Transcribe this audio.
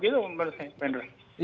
gitu pak roky